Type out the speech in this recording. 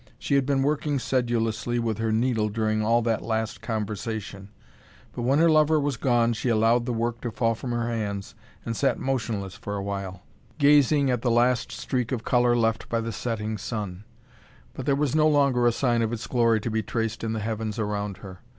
She had been working sedulously with her needle during all that last conversation; but when her lover was gone, she allowed the work to fall from her hands, and sat motionless for awhile, gazing at the last streak of colour left by the setting sun; but there was no longer a sign of its glory to be traced in the heavens around her.